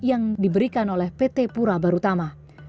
yang diberikan oleh pt pura barutama